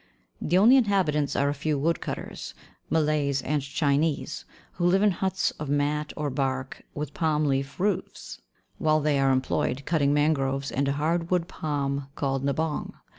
The only inhabitants are a few wood cutters, Malays and Chinese, who live in huts of mat or bark with palm leaf roofs, while they are employed cutting mangroves and a hard wood palm called Nîbong.